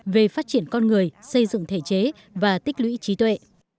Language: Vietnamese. về phát triển con người xây dựng thể chế và tích lũy trí tuệ